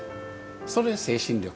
それ精神力。